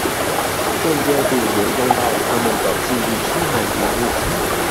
間接地也用到他們的記憶體和螢幕